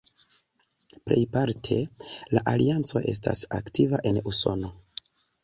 Plejparte la Alianco estas aktiva en Usono.